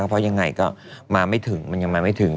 เพราะยังไงก็มาไม่ถึงมันยังมาไม่ถึง